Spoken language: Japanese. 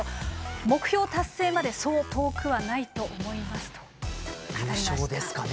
目標達成までそう遠くはないと思いますと語りました。